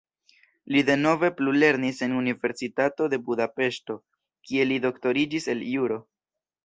Li denove plulernis en Universitato de Budapeŝto, kie li doktoriĝis el juro.